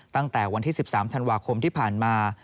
ตั้งแต่วันที่๑๓ธันวาคมที่ผ่านมา